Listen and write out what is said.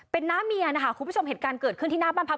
เป็นน้าเมียนะคะคุณผู้ชมเหตุการณ์เกิดขึ้นที่หน้าบ้านพัก